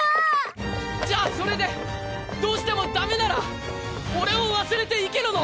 じゃあそれでどうしてもダメなら俺を忘れて生きるの？